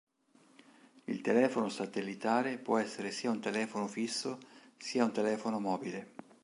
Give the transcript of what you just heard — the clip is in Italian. Il telefono satellitare può essere sia un telefono fisso sia un telefono mobile.